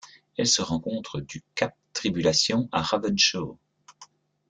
Elle se rencontre du cap Tribulation à Ravenshoe.